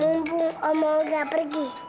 mumpung om olga pergi